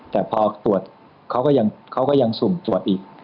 แต่พอตรวจเขาก็ยังสุ่มตรวจอีก